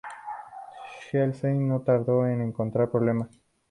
Schlieffen no tardó en encontrar problemas.